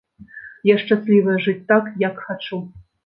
Я шчаслівая жыць так, як хачу.